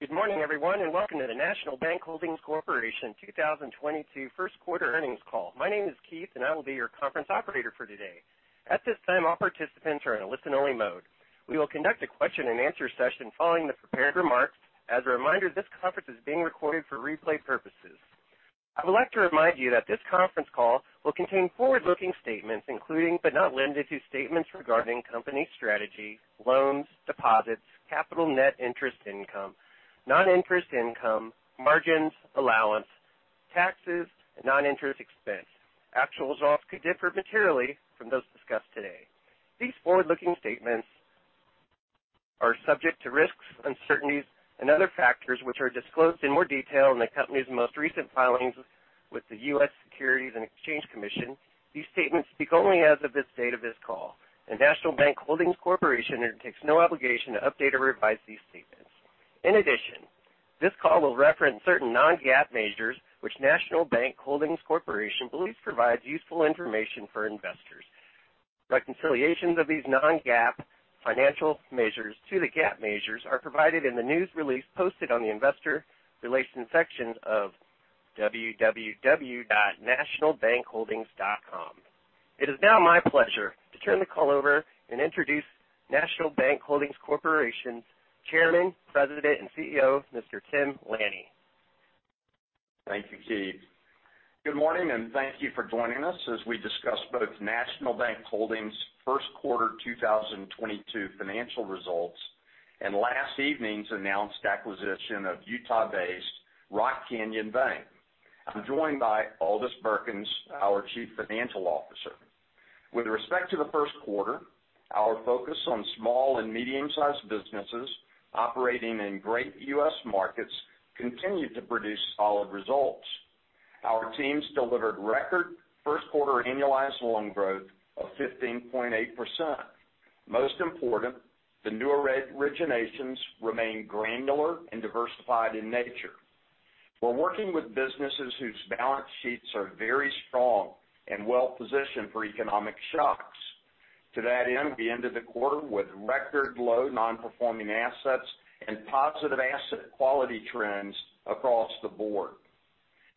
Good morning, everyone, and welcome to the National Bank Holdings Corporation 2022 first quarter earnings call. My name is Keith and I will be your conference operator for today. At this time, all participants are in listen only mode. We will conduct a question and answer session following the prepared remarks. As a reminder, this conference is being recorded for replay purposes. I would like to remind you that this conference call will contain forward-looking statements, including, but not limited to, statements regarding company strategy, loans, deposits, capital net interest income, non-interest income, margins, allowance, taxes, and non-interest expense. Actual results could differ materially from those discussed today. These forward-looking statements are subject to risks, uncertainties and other factors which are disclosed in more detail in the company's most recent filings with the U.S. Securities and Exchange Commission. These statements speak only as of the date of this call, and National Bank Holdings Corporation undertakes no obligation to update or revise these statements. In addition, this call will reference certain non-GAAP measures, which National Bank Holdings Corporation believes provides useful information for investors. Reconciliations of these non-GAAP financial measures to the GAAP measures are provided in the news release posted on the investor relations section of www.nationalbankholdings.com. It is now my pleasure to turn the call over and introduce National Bank Holdings Corporation's Chairman, President, and CEO, Mr. Tim Laney. Thank you, Keith. Good morning, and thank you for joining us as we discuss both National Bank Holdings' First Quarter 2022 Financial Results and last evening's announced acquisition of Utah-based Rock Canyon Bank. I'm joined by Aldis Birkans, our Chief Financial Officer. With respect to the first quarter, our focus on small and medium-sized businesses operating in great U.S. markets continued to produce solid results. Our teams delivered record first quarter annualized loan growth of 15.8%. Most important, the newer re-originations remain granular and diversified in nature. We're working with businesses whose balance sheets are very strong and well-positioned for economic shocks. To that end, we ended the quarter with record low non-performing assets and positive asset quality trends across the board.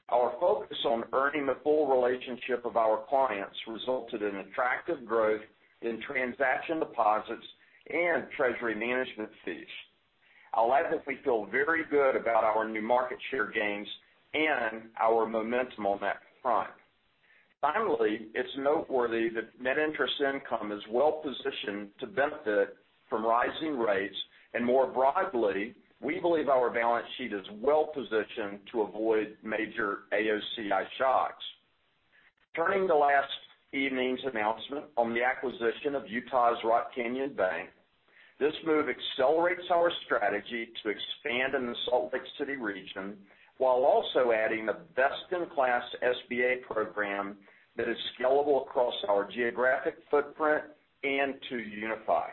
Our focus on earning the full relationship of our clients resulted in attractive growth in transaction deposits and treasury management fees. I'll add that we feel very good about our new market share gains and our momentum on that front. Finally, it's noteworthy that net interest income is well-positioned to benefit from rising rates, and more broadly, we believe our balance sheet is well-positioned to avoid major AOCI shocks. Turning to last evening's announcement on the acquisition of Utah's Rock Canyon Bank, this move accelerates our strategy to expand in the Salt Lake City region, while also adding a best-in-class SBA program that is scalable across our geographic footprint and to 2UniFi.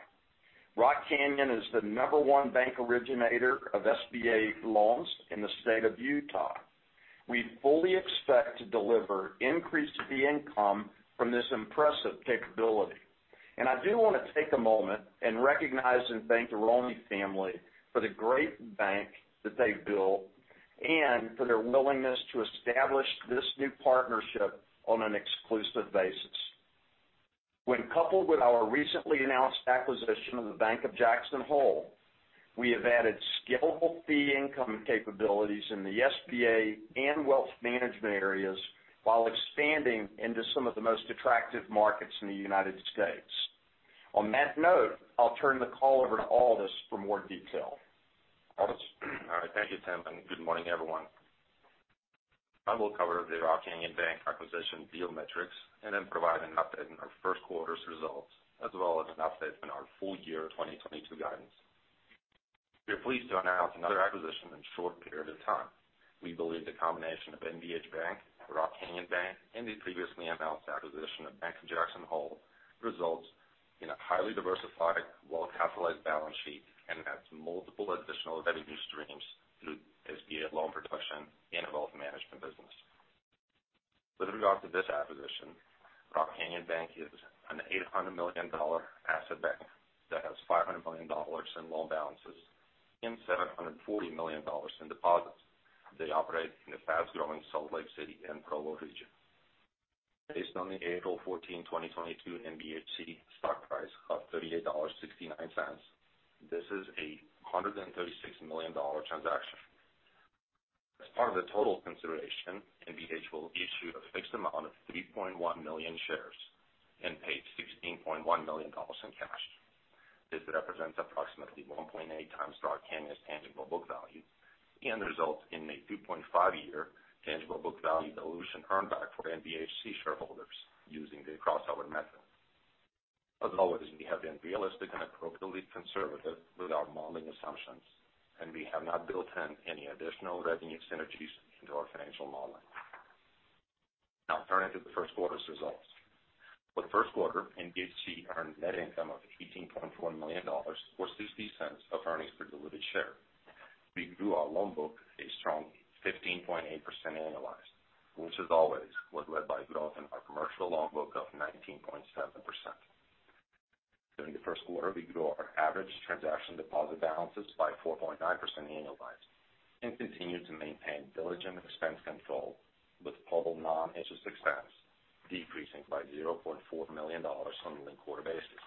Rock Canyon is the number one bank originator of SBA loans in the state of Utah. We fully expect to deliver increased fee income from this impressive capability. I do wanna take a moment and recognize and thank the Roney family for the great bank that they built and for their willingness to establish this new partnership on an exclusive basis. When coupled with our recently announced acquisition of the Bank of Jackson Hole, we have added scalable fee income capabilities in the SBA and wealth management areas while expanding into some of the most attractive markets in the United States. On that note, I'll turn the call over to Aldis for more detail. Aldis? All right. Thank you, Tim, and good morning, everyone. I will cover the Rock Canyon Bank acquisition deal metrics and then provide an update on our first quarter's results, as well as an update on our full year 2022 guidance. We are pleased to announce another acquisition in a short period of time. We believe the combination of NBH Bank, Rock Canyon Bank, and the previously announced acquisition of Bank of Jackson Hole results in a highly diversified, well-capitalized balance sheet and adds multiple additional revenue streams through SBA loan production and wealth management business. With regard to this acquisition, Rock Canyon Bank is an $800 million asset bank that has $500 million in loan balances and $740 million in deposits. They operate in the fast-growing Salt Lake City and Provo region. Based on the April 14, 2022 NBHC stock price of $38.69, this is a $136 million transaction. As part of the total consideration, NBH will issue a fixed amount of 3.1 million shares and pay $16.1 million in cash. This represents approximately 1.8 times Rock Canyon's tangible book value and results in a 2.5-year tangible book value dilution earn back for NBHC shareholders using the crossover method. As always, we have been realistic and appropriately conservative with our modeling assumptions, and we have not built in any additional revenue synergies into our financial model. Now turning to the first quarter's results. For the first quarter, NBHC earned net income of $18.1 million, or $0.60 per diluted share. We grew our loan book a strong 15.8% annualized, which as always, was led by growth in our commercial loan book of 19.7%. During the first quarter, we grew our average transaction deposit balances by 4.9% annualized and continued to maintain diligent expense control with total non-interest expense decreasing by $0.4 million on a linked quarter basis.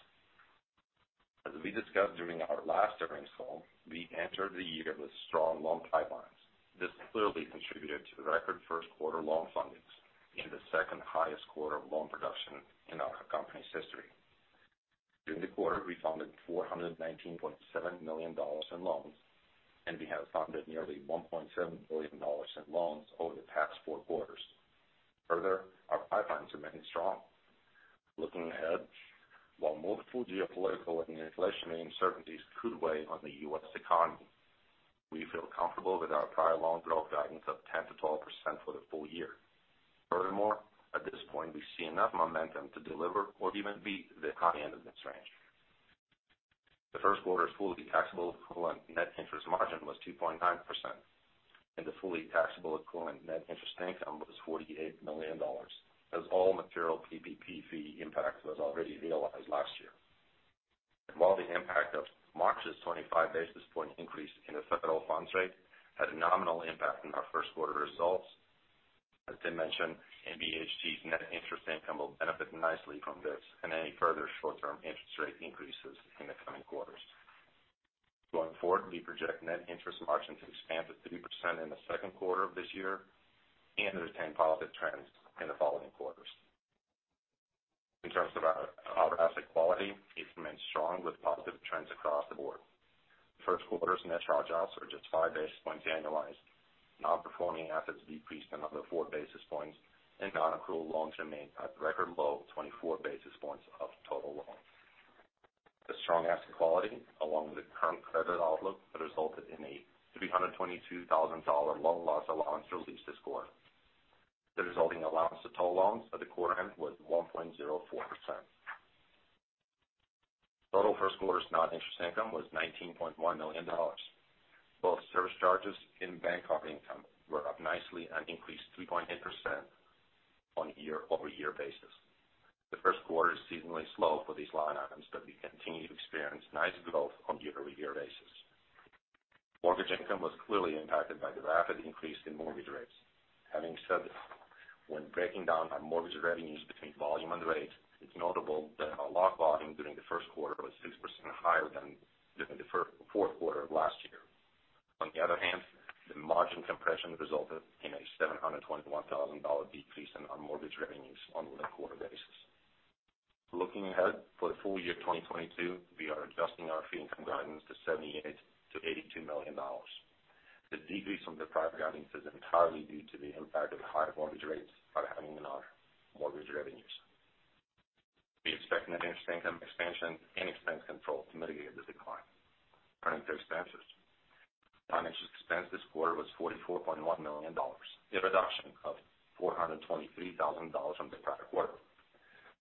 We discussed during our last earnings call, we entered the year with strong loan pipelines. This clearly contributed to the record first quarter loan fundings and the second highest quarter of loan production in our company's history. During the quarter, we funded $419.7 million in loans, and we have funded nearly $1.7 billion in loans over the past four quarters. Our pipelines remain strong. Looking ahead, while multiple geopolitical and inflation uncertainties could weigh on the U.S. economy, we feel comfortable with our prior loan growth guidance of 10%-12% for the full year. At this point, we see enough momentum to deliver or even beat the high end of this range. The first quarter's fully taxable equivalent net interest margin was 2.9%, and the fully taxable equivalent net interest income was $48 million, as all material PPP fee impact was already realized last year. While the impact of March's 25 basis point increase in the federal funds rate had a nominal impact on our first quarter results, as Dan mentioned, NBHC's net interest income will benefit nicely from this and any further short-term interest rate increases in the coming quarters. Going forward, we project net interest margin to expand to 3% in the second quarter of this year and to retain positive trends in the following quarters. In terms of our asset quality, it remains strong with positive trends across the board. The first quarter's net charge-offs are just 5 basis points annualized. Non-performing assets decreased another 4 basis points, and non-accrual loans remained at record low 24 basis points of total loans. The strong asset quality, along with the current credit outlook, resulted in a $322,000 loan loss allowance release this quarter. The resulting allowance to total loans at the quarter end was 1.04%. Total first quarter's non-interest income was $19.1 million. Both service charges and bank operating income were up nicely and increased 3.8% on a year-over-year basis. The first quarter is seasonally slow for these line items, but we continue to experience nice growth on a year-over-year basis. Mortgage income was clearly impacted by the rapid increase in mortgage rates. Having said that, when breaking down our mortgage revenues between volume and rates, it's notable that our lock volume during the first quarter was 6% higher than during the fourth quarter of last year. On the other hand, the margin compression resulted in a $721,000 decrease in our mortgage revenues on a linked quarter basis. Looking ahead, for the full year 2022, we are adjusting our fee income guidance to $78 million-$82 million. The decrease from the prior guidance is entirely due to the impact of higher mortgage rates are having on our mortgage revenues. We expect net interest income expansion and expense control to mitigate the decline. Turning to expenses. Non-interest expense this quarter was $44.1 million, a reduction of $423,000 from the prior quarter.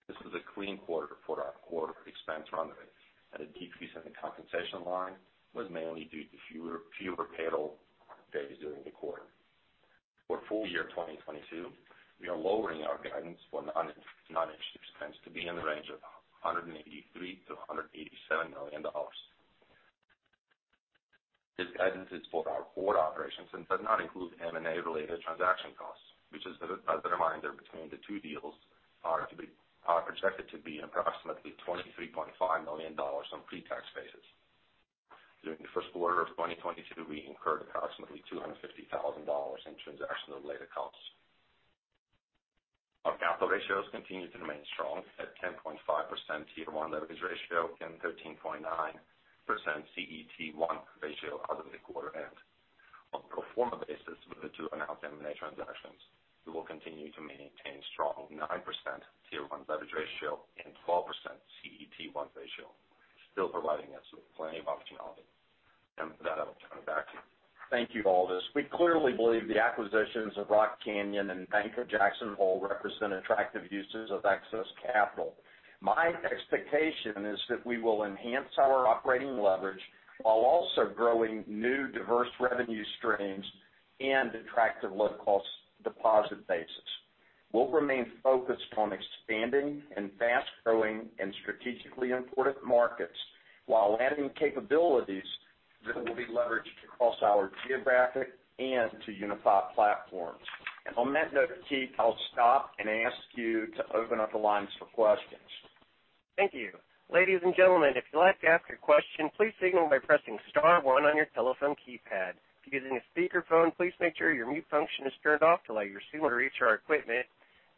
This was a clean quarter for our core expense run rate, and a decrease in the compensation line was mainly due to fewer payroll days during the quarter. For full year 2022, we are lowering our guidance for non-interest expense to be in the range of $183 million-$187 million. This guidance is for our core operations and does not include M&A related transaction costs, which, as a reminder, between the two deals are projected to be approximately $23.5 million on pretax basis. During the first quarter of 2022, we incurred approximately $250,000 in transaction related costs. Our capital ratios continue to remain strong at 10.5% Tier 1 leverage ratio and 13.9% CET 1 ratio as of the quarter end. On pro forma basis with the two announced M&A transactions, we will continue to maintain strong 9% Tier 1 leverage ratio and 12% CET 1 ratio, still providing us with plenty of optionality. With that, I'll turn it back to you. Thank you, Aldis. We clearly believe the acquisitions of Rock Canyon and Bank of Jackson Hole represent attractive uses of excess capital. My expectation is that we will enhance our operating leverage while also growing new diverse revenue streams and attractive low-cost deposit bases. We'll remain focused on expanding in fast-growing and strategically important markets while adding capabilities that will be leveraged across our geographic and 2UniFi platforms. On that note, Keith, I'll stop and ask you to open up the lines for questions. Thank you. Ladies and gentlemen, if you'd like to ask a question, please signal by pressing star one on your telephone keypad. If you're using a speakerphone, please make sure your mute function is turned off to allow your signal to reach our equipment.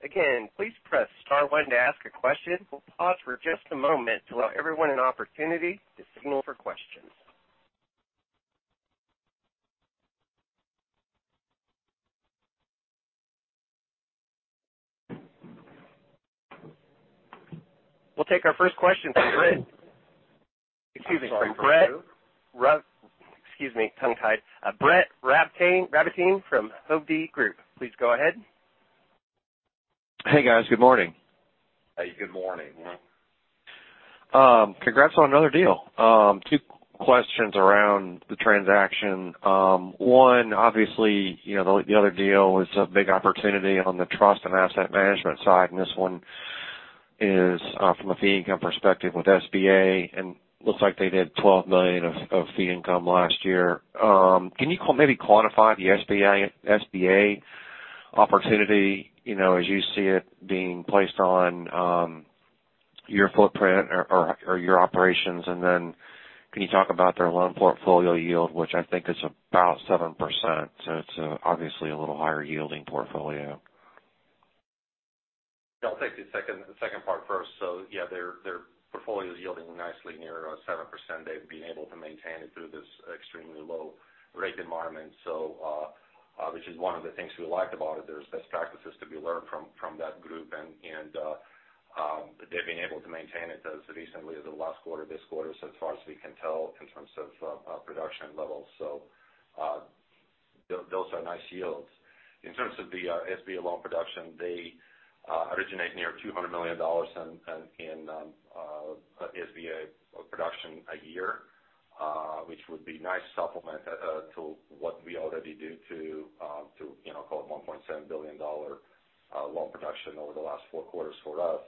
Again, please press star one to ask a question. We'll pause for just a moment to allow everyone an opportunity to signal for questions. We'll take our first question from Brett- I'm sorry. Excuse me, tongue-tied. Brett Rabatin from Hovde Group. Please go ahead. Hey guys, good morning. Hey, good morning. Congrats on another deal. Two questions around the transaction. One, obviously, you know, the other deal is a big opportunity on the trust and asset management side, and this one is from a fee income perspective with SBA, and looks like they did $12 million of fee income last year. Can you maybe quantify the SBA opportunity, you know, as you see it being placed on your footprint or your operations? And then can you talk about their loan portfolio yield, which I think is about 7%, so it's obviously a little higher yielding portfolio? I'll take the second part first. Yeah, their portfolio is yielding nicely near 7%. They've been able to maintain it through this extremely low rate environment. Which is one of the things we liked about it, there's best practices to be learned from that group and they've been able to maintain it as recently as the last quarter, this quarter as far as we can tell in terms of production levels. Those are nice yields. In terms of the SBA loan production, they originate near $200 million in SBA production a year, which would be nice supplement to what we already do to, you know, call it $1.7 billion loan production over the last four quarters for us.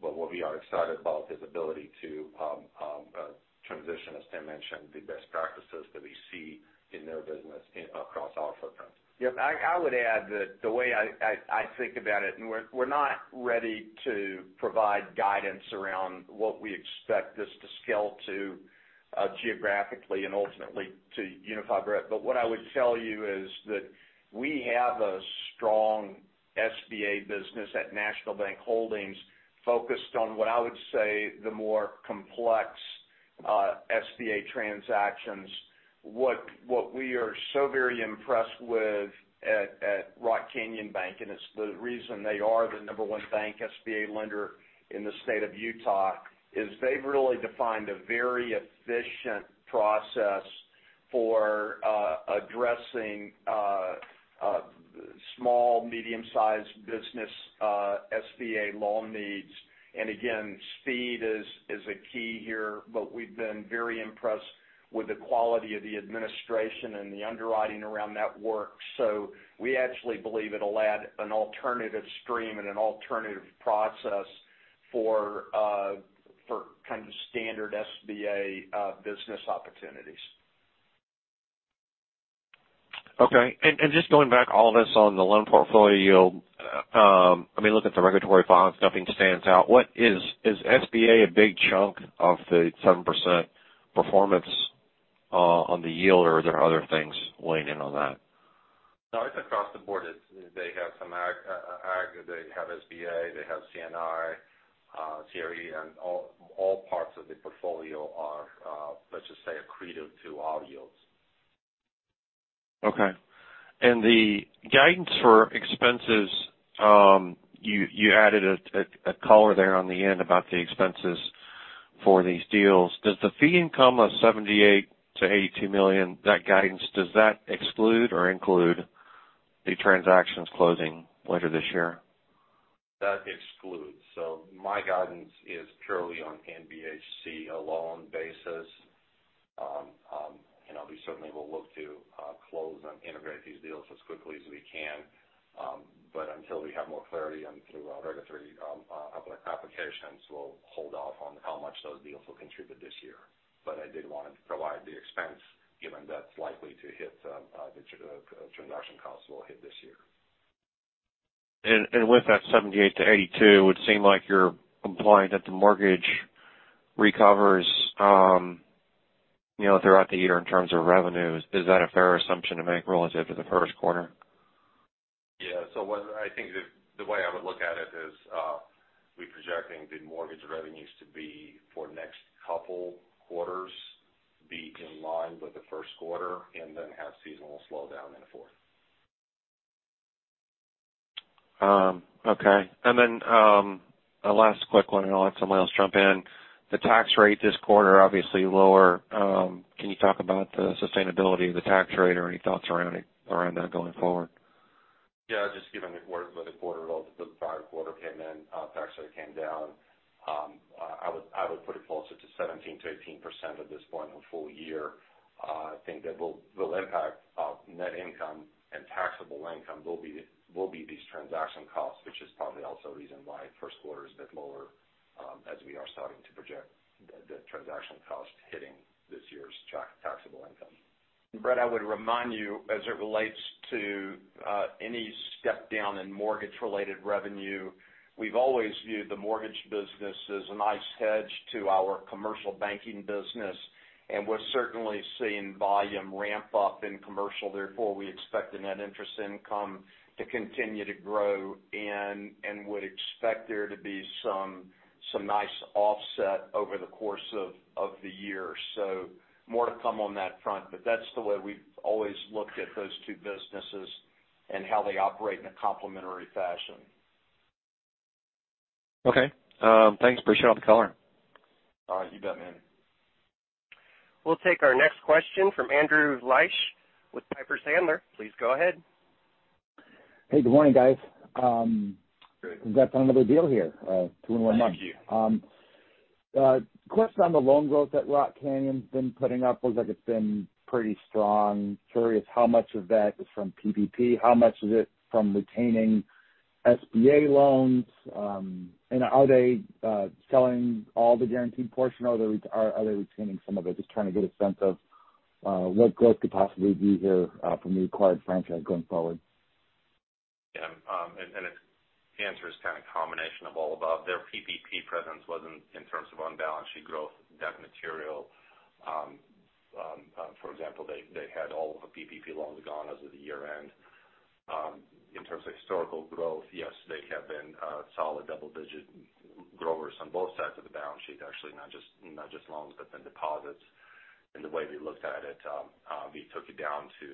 What we are excited about is the ability to transition, as Tim mentioned, the best practices that we see in their business across our footprint. Yeah. I would add that the way I think about it, and we're not ready to provide guidance around what we expect this to scale to, geographically and ultimately 2UniFi brand. What I would tell you is that we have a strong SBA business at National Bank Holdings focused on what I would say the more complex SBA transactions. What we are so very impressed with at Rock Canyon Bank, and it's the reason they are the number one bank SBA lender in the state of Utah, is they've really defined a very efficient process for addressing small, medium-sized business SBA loan needs. Speed is a key here, but we've been very impressed with the quality of the administration and the underwriting around that work. We actually believe it'll add an alternative stream and an alternative process for kind of standard SBA business opportunities. Okay. Just going back, all this on the loan portfolio yield, I mean, look at the regulatory filings, nothing stands out. What is SBA a big chunk of the 7% performance on the yield, or are there other things weighing in on that? No, it's across the board. It's they have some ag, they have SBA, CRE, and all parts of the portfolio are, let's just say, accretive to our yields. Okay. The guidance for expenses, you added a color there on the end about the expenses for these deals. Does the fee income of $78 million-$82 million, that guidance, does that exclude or include the transactions closing later this year? That excludes. My guidance is purely on NBHC standalone basis. You know, we certainly will look to close and integrate these deals as quickly as we can. Until we have more clarity on our regulatory applications, we'll hold off on how much those deals will contribute this year. I did want to provide the expense guidance given that's likely to hit. The transaction costs will hit this year. With that $78 million-$82 million, it would seem like you're implying that the mortgage recovers, you know, throughout the year in terms of revenues. Is that a fair assumption to make relative to the first quarter? What I think the way I would look at it is, we're projecting the mortgage revenues to be for next couple quarters, be in line with the first quarter and then have seasonal slowdown in the fourth. A last quick one, and I'll let someone else jump in. The tax rate this quarter obviously lower. Can you talk about the sustainability of the tax rate or any thoughts around that going forward? Yeah, just given the quarter, the prior quarter came in, tax rate came down. I would put it closer to 17%-18% at this point in the full year. I think that will impact net income and taxable income will be these transaction costs, which is probably also a reason why first quarter is a bit lower, as we are starting to project the transaction cost hitting this year's taxable income. Brett, I would remind you, as it relates to any step down in mortgage-related revenue, we've always viewed the mortgage business as a nice hedge to our commercial banking business, and we're certainly seeing volume ramp up in commercial, therefore, we expect the net interest income to continue to grow and would expect there to be some nice offset over the course of the year. So more to come on that front, but that's the way we've always looked at those two businesses and how they operate in a complementary fashion. Okay. Thanks. Appreciate all the color. All right. You bet, man. We'll take our next question from Andrew Liesch with Piper Sandler. Please go ahead. Hey, good morning, guys. Good. Congrats on another deal here, two in one month. Thank you. A question on the loan growth that Rock Canyon's been putting up. Looks like it's been pretty strong. Curious how much of that is from PPP? How much is it from retaining SBA loans? Are they selling all the guaranteed portion or are they retaining some of it? Just trying to get a sense of what growth could possibly be here from the acquired franchise going forward? Yeah. The answer is kind of combination of all above. Their PPP presence wasn't in terms of on-balance-sheet growth, that material. For example, they had all of the PPP loans gone as of the year-end. In terms of historical growth, yes, they have been a solid double-digit growers on both sides of the balance sheet, actually, not just loans, but then deposits. The way we looked at it, we took it down to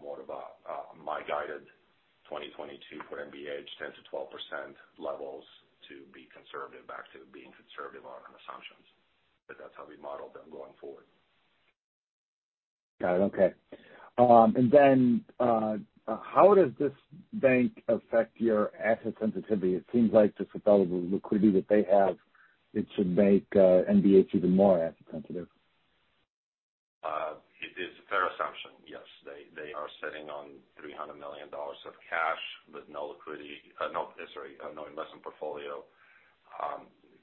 more of a my guided 2022 for NBH 10%-12% levels to be conservative, back to being conservative on our assumptions. That's how we modeled them going forward. Got it. Okay. How does this bank affect your asset sensitivity? It seems like this available liquidity that they have, it should make NBH even more asset sensitive. It is a fair assumption. Yes. They are sitting on $300 million of cash with no liquidity, no investment portfolio.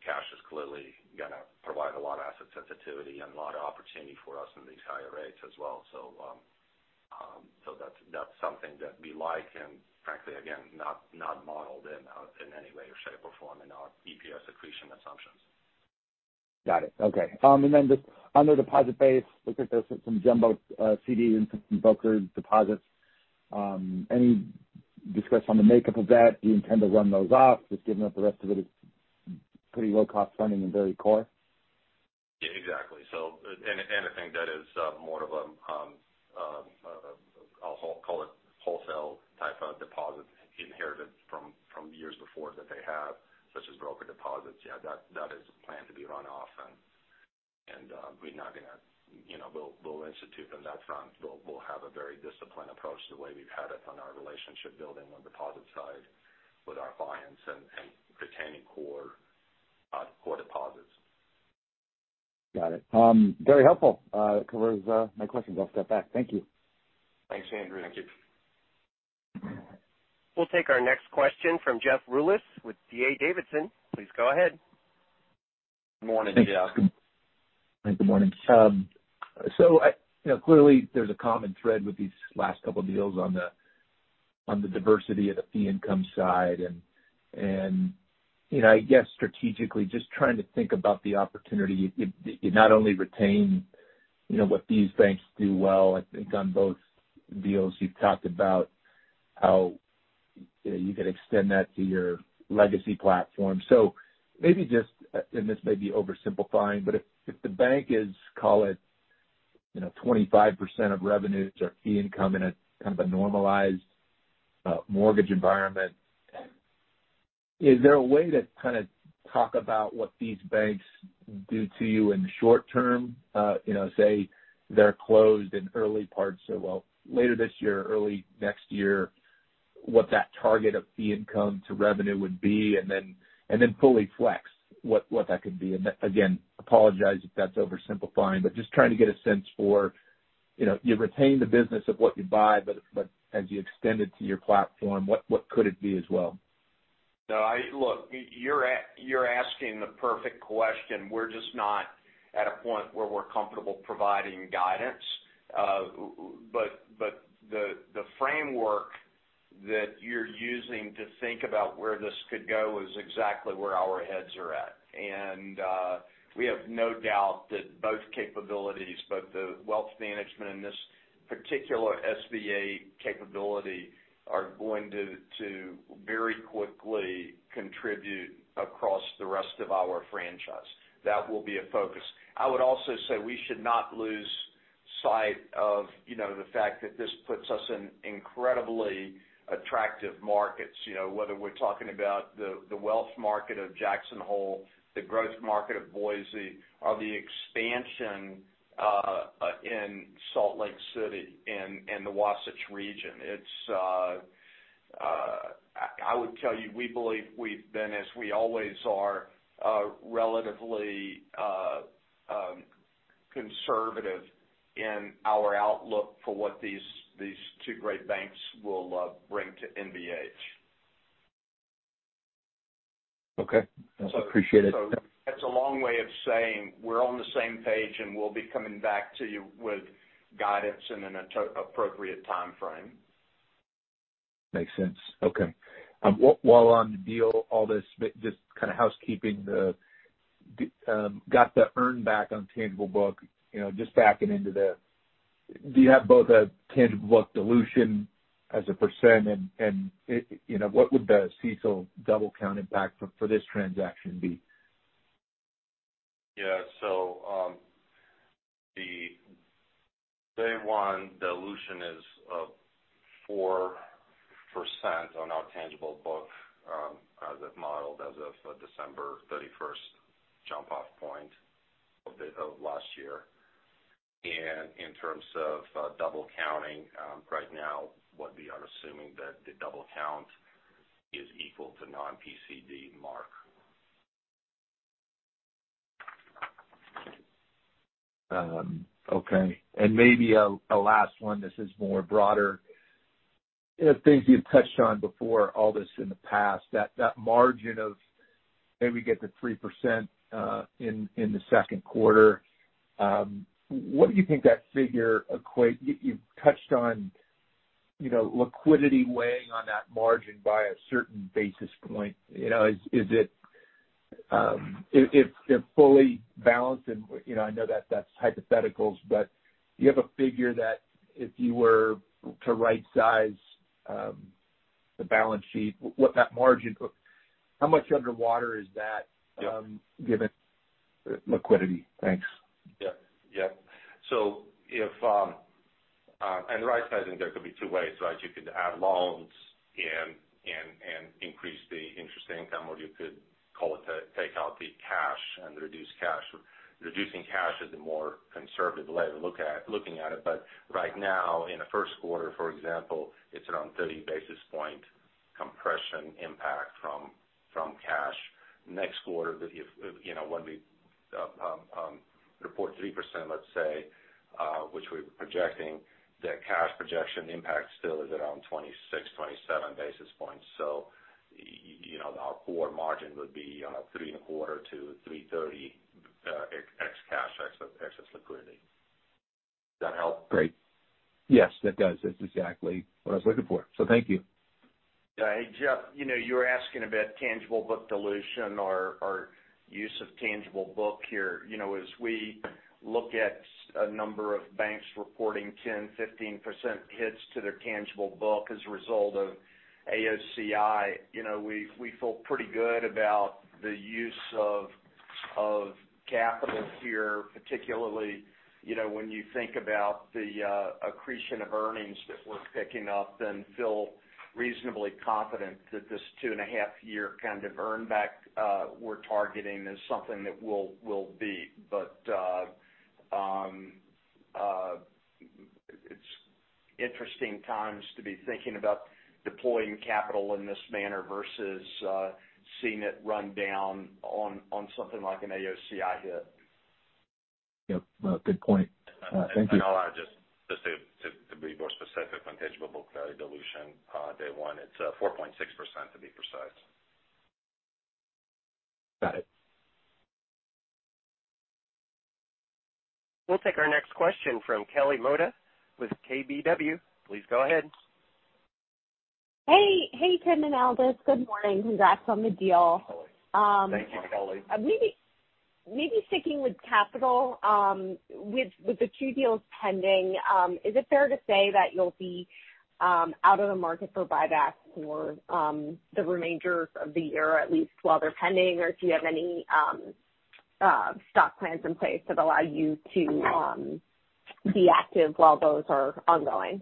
Cash is clearly gonna provide a lot of asset sensitivity and a lot of opportunity for us in these higher rates as well. That's something that we like and frankly again, not modeled in any way or shape or form in our EPS accretion assumptions. Got it. Okay. Just on their deposit base, looks like there's some jumbo CD and some broker deposits. Any discuss on the makeup of that? Do you intend to run those off, just given that the rest of it is pretty low cost funding and very core? Yeah, exactly. I think that is more of a call it wholesale type of deposit inherited from years before that they have, such as broker deposits. Yeah, that is planned to be run off. We're not gonna, you know, we'll institute from that front. We'll have a very disciplined approach the way we've had it on our relationship building on deposit side with our clients and retaining core deposits. Got it. Very helpful. That covers my questions. I'll step back. Thank you. Thanks, Andrew. Thank you. We'll take our next question from Jeff Rulis with D.A. Davidson. Please go ahead. Morning, Jeff. Thanks. Good morning. You know, clearly there's a common thread with these last couple deals on the diversity of the fee income side. You know, I guess strategically, just trying to think about the opportunity. You not only retain, you know, what these banks do well. I think on both deals you've talked about how, you know, you could extend that to your legacy platform. Maybe just, and this may be oversimplifying, but if the bank is, call it, you know, 25% of revenues or fee income in a kind of a normalized mortgage environment, is there a way to kind of talk about what these banks do to you in the short term? You know, say they're closed in early parts or well, later this year or early next year, what that target of fee income to revenue would be, and then fully flex what that could be? Again, apologize if that's oversimplifying, but just trying to get a sense for, you know, you retain the business of what you buy, but as you extend it to your platform, what that could be as well? No, look, you're asking the perfect question. We're just not at a point where we're comfortable providing guidance. The framework that you're using to think about where this could go is exactly where our heads are at. We have no doubt that both capabilities, both the wealth management and this particular SBA capability, are going to very quickly contribute across the rest of our franchise. That will be a focus. I would also say we should not lose sight of, you know, the fact that this puts us in incredibly attractive markets, you know, whether we're talking about the wealth market of Jackson Hole, the growth market of Boise, or the expansion in Salt Lake City in the Wasatch region. I would tell you, we believe we've been, as we always are, relatively conservative in our outlook for what these two great banks will bring to NBH. Okay. Appreciate it. That's a long way of saying we're on the same page, and we'll be coming back to you with guidance in an appropriate timeframe. Makes sense. Okay. While on the deal, all this is just kind of housekeeping. Got the earn back on tangible book, just backing into the, do you have both a tangible book dilution as a percent and what would the CECL double count impact for this transaction be? Yeah. The day one dilution is 4% on our tangible book, modeled as of December thirty-first jump off point of last year. In terms of double counting, right now what we are assuming that the double count is equal to non-PCD mark. Okay. Maybe a last one. This is more broader. Things you've touched on before all this in the past. That margin of maybe get to 3% in the second quarter. What do you think that figure equates to? You've touched on, you know, liquidity weighing on that margin by a certain basis point. You know, is it if they're fully balanced and, you know, I know that's hypothetical, but do you have a figure that if you were to right size the balance sheet, what that margin how much underwater is that given liquidity? Thanks. If right sizing, there could be two ways, right? You could add loans and increase the interest income or you could call it take out the cash and reduce cash. Reducing cash is the more conservative way to look at it. Right now in the first quarter, for example, it's around 30 basis points compression impact from cash. Next quarter, you know, when we report 3% let's say, which we're projecting, the cash projection impact still is around 26, 27 basis points. You know, our core margin would be 3.25%-3.30%, ex cash, excess liquidity. Does that help? Great. Yes, that does. That's exactly what I was looking for. Thank you. Yeah. Hey, Jeff. You know, you were asking about tangible book dilution or use of tangible book here. You know, as we look at a number of banks reporting 10%, 15% hits to their tangible book as a result of AOCI. You know, we feel pretty good about the use of capital here, particularly, you know, when you think about the accretion of earnings that we're picking up, we feel reasonably confident that this 2.5-year kind of earn back we're targeting is something that we'll beat. But it's interesting times to be thinking about deploying capital in this manner versus seeing it run down on something like an AOCI hit. Yep. Good point. Thank you. I'll add just to be more specific on tangible book value dilution. Day one, it's 4.6% to be precise. Got it. We'll take our next question from Kelly Motta with KBW. Please go ahead. Hey. Hey, Tim and Aldis. Good morning. Congrats on the deal. Thank you, Kelly. Maybe sticking with capital, with the two deals pending, is it fair to say that you'll be out of the market for buybacks for the remainder of the year, at least while they're pending? Or do you have any stock plans in place that allow you to be active while those are ongoing?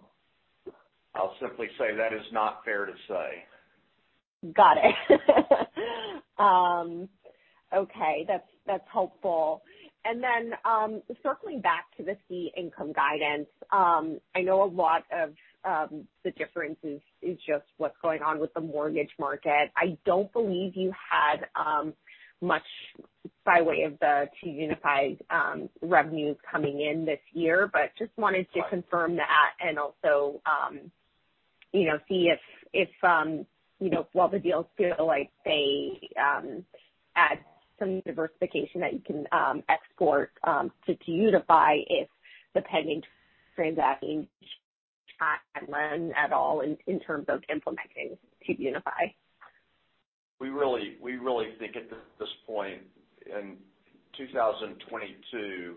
I'll simply say that is not fair to say. Got it. Okay, that's helpful. Circling back to the fee income guidance. I know a lot of the difference is just what's going on with the mortgage market. I don't believe you had much by way of the 2UniFi revenues coming in this year, but just wanted to confirm that and also, you know, see if you know, while the deals feel like they add some diversification that you can export to 2UniFi if the pending transactions at all in terms of implementing 2UniFi? We really think at this point in 2022,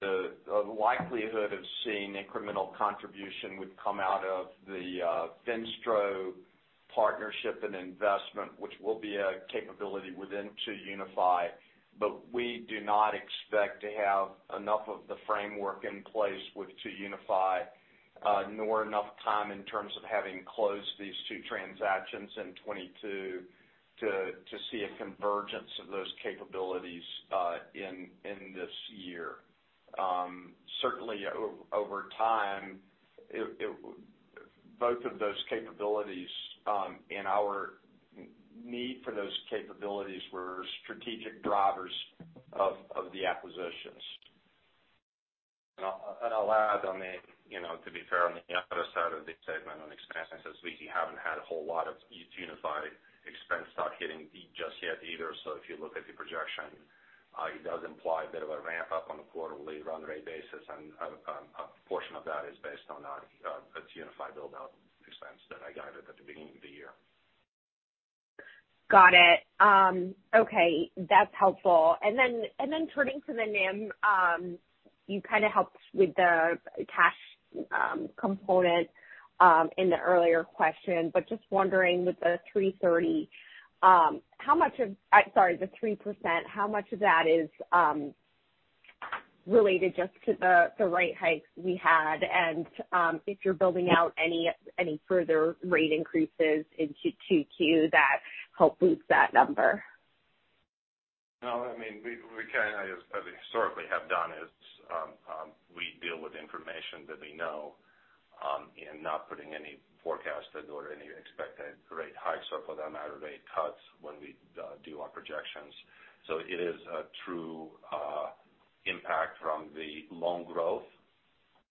the likelihood of seeing incremental contribution would come out of the Finstro partnership and investment, which will be a capability within 2UniFi. We do not expect to have enough of the framework in place with 2UniFi, nor enough time in terms of having closed these two transactions in 2022 to see a convergence of those capabilities in this year. Certainly over time, both of those capabilities and our need for those capabilities were strategic drivers of the acquisitions. I'll add on the, you know, to be fair, on the other side of the statement on expenses, as we haven't had a whole lot of 2UniFi expense start hitting just yet either. If you look at the projection, it does imply a bit of a ramp-up on a quarterly run rate basis and a portion of that is based on 2UniFi build-out expense that I guided at the beginning of the year. Got it. Okay, that's helpful. Turning to the NIM, you kind of helped with the component in the earlier question, but just wondering, with the 3%, how much of that is related just to the rate hikes we had and if you're building out any further rate increases into 2Q that help boost that number? No, I mean, we can, as we historically have done, we deal with information that we know in not putting any forecasted or any expected rate hikes or for that matter, rate cuts when we do our projections. It is a true impact from the loan growth,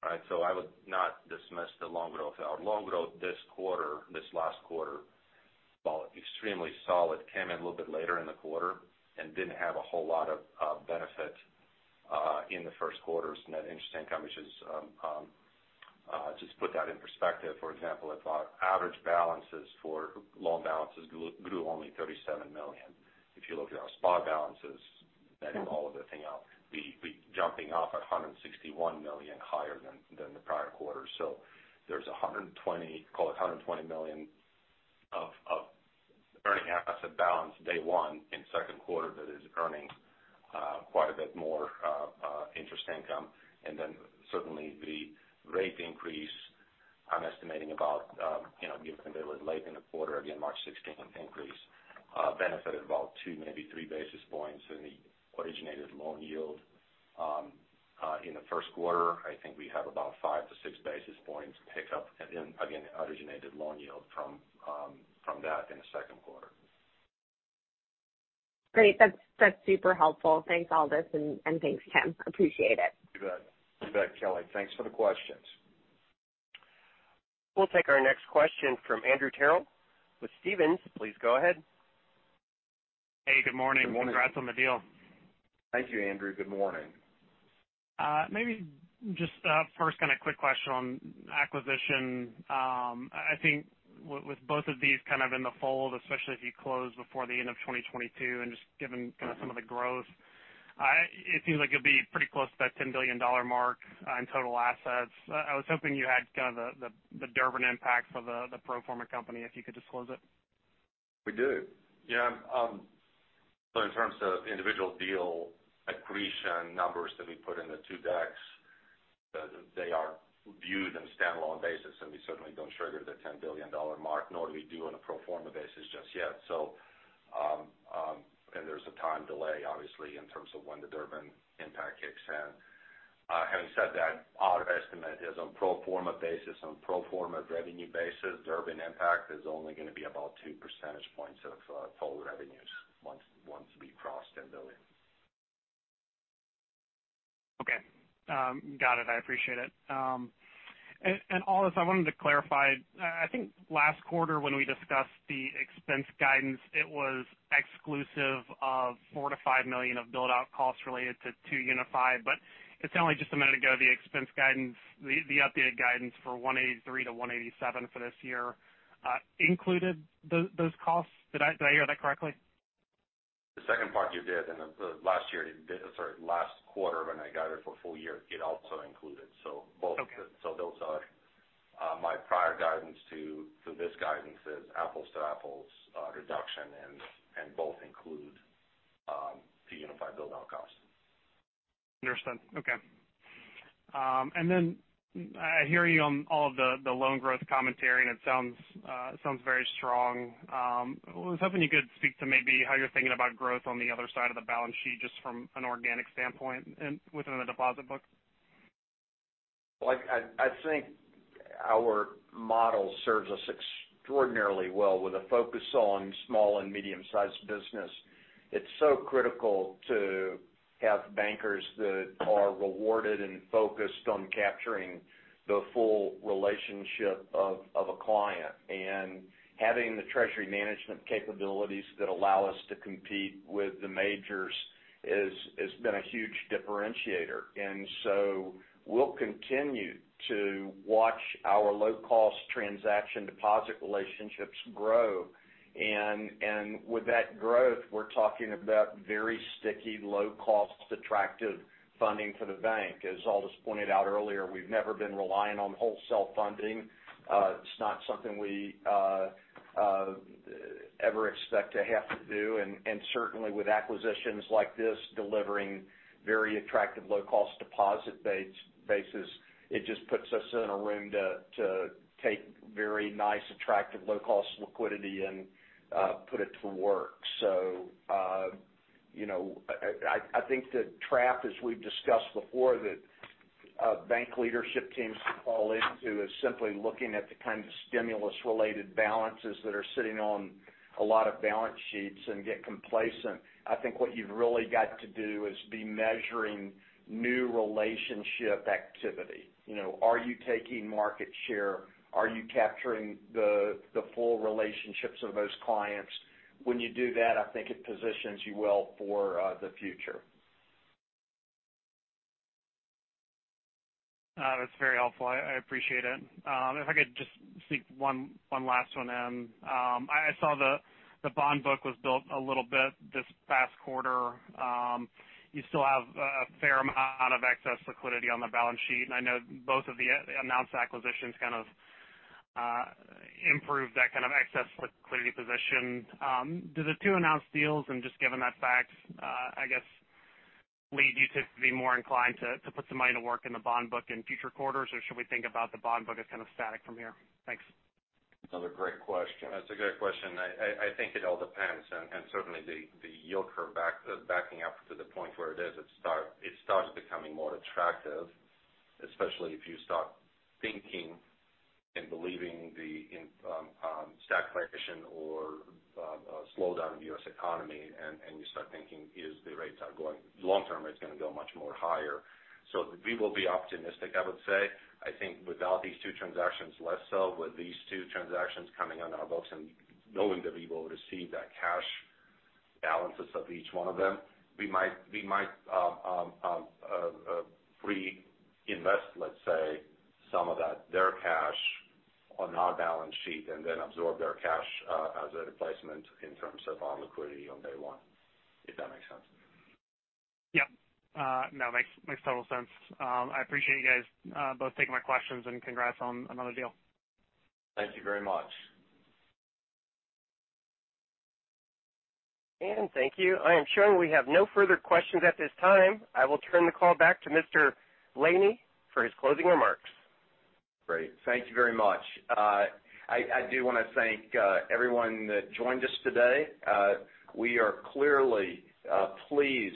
right? I would not dismiss the loan growth. Our loan growth this quarter, this last quarter, while extremely solid, came in a little bit later in the quarter and didn't have a whole lot of benefit in the first quarter. Net interest income, which is just put that in perspective. For example, if our average balances for loan balances grew only $37 million. If you look at our spot balances, netting all of the thing out, we jumping up $161 million higher than the prior quarter. There's a hundred and twenty, call it $120 million of earning asset balance day one in second quarter that is earning quite a bit more interest income. Then certainly the rate increase, I'm estimating about, you know, given that it was late in the quarter, again, March 16 increase, benefited about 2 basis points, maybe 3 basis points in the originated loan yield in the first quarter. I think we have about 5-6 basis points pickup in, again, originated loan yield from that in the second quarter. Great. That's super helpful. Thanks, Aldis, and thanks, Tim. Appreciate it. You bet. You bet, Kelly. Thanks for the questions. We'll take our next question from Andrew Terrell with Stephens. Please go ahead. Hey, good morning. Good morning. Congrats on the deal. Thank you, Andrew. Good morning. Maybe just first kinda quick question on acquisition. I think with both of these kind of in the fold, especially if you close before the end of 2022, and just given kinda some of the growth, it seems like you'll be pretty close to that $10 billion mark in total assets? I was hoping you had kind of the Durbin impact for the pro forma company, if you could disclose it? We do. In terms of individual deal accretion numbers that we put in the two decks, they are viewed on a standalone basis, and we certainly don't trigger the $10 billion mark, nor do we on a pro forma basis just yet. There's a time delay, obviously, in terms of when the Durbin impact kicks in. Having said that, our estimate is on pro forma basis, on pro forma revenue basis, Durbin impact is only gonna be about 2 percentage points of total revenues once we cross $10 billion. Okay. Got it. I appreciate it. Aldis, I wanted to clarify. I think last quarter when we discussed the expense guidance, it was exclusive of $4 million-$5 million of build-out costs related to 2UniFi, but it sounded like just a minute ago, the expense guidance, the updated guidance for $183 million-$187 million for this year included those costs. Did I hear that correctly? The second part you did. The last year or last quarter, when I guided for full year, it also included. Both- Okay. Those are my prior guidance to this guidance is apples to apples reduction and both include the unified build-out costs. Understood. Okay. I hear you on all of the loan growth commentary, and it sounds very strong. I was hoping you could speak to maybe how you're thinking about growth on the other side of the balance sheet, just from an organic standpoint and within the deposit book. Well, I think our model serves us extraordinarily well with a focus on small and medium-sized business. It's so critical to have bankers that are rewarded and focused on capturing the full relationship of a client. Having the treasury management capabilities that allow us to compete with the majors has been a huge differentiator. We'll continue to watch our low-cost transaction deposit relationships grow. With that growth, we're talking about very sticky, low-cost attractive funding for the bank. As Aldis pointed out earlier, we've never been reliant on wholesale funding. It's not something we ever expect to have to do. Certainly with acquisitions like this delivering very attractive low-cost deposit basis, it just puts us in a room to take very nice, attractive low-cost liquidity and put it to work. you know, I think the trap as we've discussed before that bank leadership teams fall into is simply looking at the kinds of stimulus related balances that are sitting on a lot of balance sheets and get complacent. I think what you've really got to do is be measuring new relationship activity. You know, are you taking market share? Are you capturing the full relationships of those clients? When you do that, I think it positions you well for the future. That's very helpful. I appreciate it. If I could just sneak one last one in. I saw the bond book was built a little bit this past quarter. You still have a lot of excess liquidity on the balance sheet, and I know both of the announced acquisitions kind of improved that kind of excess liquidity position. Do the two announced deals and just given that fact, I guess, lead you to be more inclined to put some money to work in the bond book in future quarters, or should we think about the bond book as kind of static from here? Thanks. Another great question. That's a great question. I think it all depends. Certainly the yield curve backing up to the point where it is, it starts becoming more attractive, especially if you start thinking and believing in stagflation or a slowdown in the U.S. economy, and you start thinking that the rates are going long term. It's gonna go much higher. We will be optimistic, I would say. I think without these two transactions, less so. With these two transactions coming on our books and knowing that we will receive that cash balances of each one of them, we might reinvest, let's say, some of that, their cash on our balance sheet and then absorb their cash, as a replacement in terms of our liquidity on day one, if that makes sense. Yeah. No, it makes total sense. I appreciate you guys both taking my questions and congrats on another deal. Thank you very much. Thank you. I am showing we have no further questions at this time. I will turn the call back to Mr. Laney for his closing remarks. Great. Thank you very much. I do wanna thank everyone that joined us today. We are clearly pleased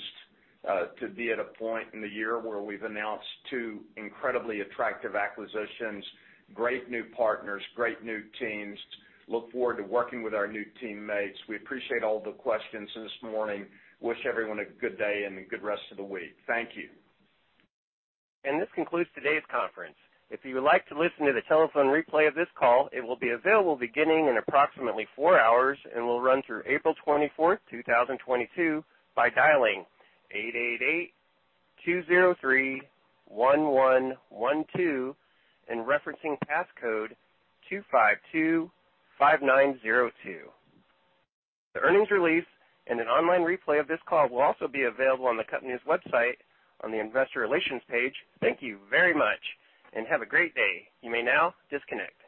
to be at a point in the year where we've announced two incredibly attractive acquisitions, great new partners, great new teams. Look forward to working with our new teammates. We appreciate all the questions this morning. Wish everyone a good day and a good rest of the week. Thank you. This concludes today's conference. If you would like to listen to the telephone replay of this call, it will be available beginning in approximately 4 hours and will run through April 24th, 2022, by dialing 888-203-1112 and referencing passcode 2525902. The earnings release and an online replay of this call will also be available on the company's website on the investor relations page. Thank you very much and have a great day. You may now disconnect.